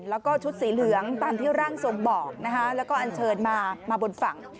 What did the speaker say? แล้วก็ชุดสีเหลืองตามที่ร่างทรงบอกนะคะแล้วก็อันเชิญมามาบนฝั่ง